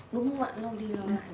đúng là lâu đi lâu lại